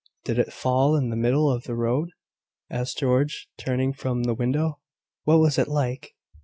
"Did it fall in the middle of the road?" asked George, turning from the window. "What was it like?"